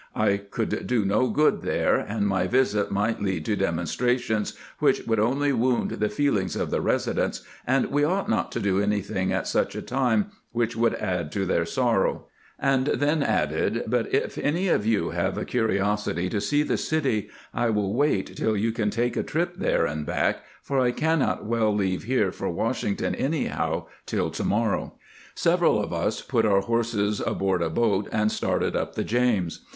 I could do no good there, and my visit might lead to dem onstrations which would only wound the feelings of the residents, and we ought not to do anything at such a time which would add to their sorrow"; and then added, " But if any of you have a curiosity to see the city, I will wait till you can take a trip there and back, for I cannot weU leave here for Washington anyhow till to morrow." Several of us put our horses aboard a boat, and started up the James.